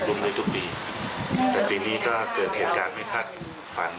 ได้ทุกปีแต่ปีนี้ก็เกิดเหตุการณ์ไม่คาดฝัน